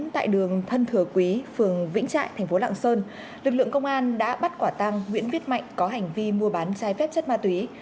trong vĩnh trại thành phố lạng sơn lực lượng công an đã bắt quả tăng nguyễn viết mạnh có hành vi mua bán chai phép chất ma túy